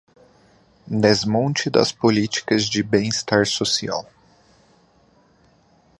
Desmonte das políticas de bem estar social